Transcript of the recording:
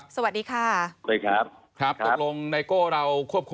สวัสดีครับ